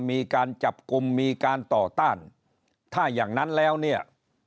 มีการจับกลุ่มมีการต่อต้านถ้าอย่างนั้นแล้วเนี่ย